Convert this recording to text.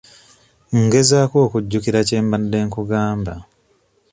Ngezaako okujjukira kye mbadde nkugamba.